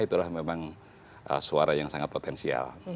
itulah memang suara yang sangat potensial